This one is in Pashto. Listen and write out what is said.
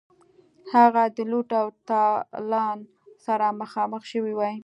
هغه د لوټ او تالان سره مخامخ شوی وای.